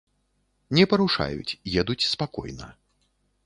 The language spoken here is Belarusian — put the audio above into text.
Не парушаюць, едуць спакойна.